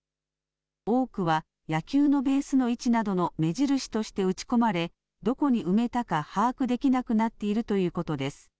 多くは野球のベースの位置などの目印として打ち込まれ、どこに埋めたか把握できなくなっているということです。